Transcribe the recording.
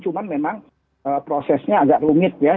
cuman memang prosesnya agak lumayan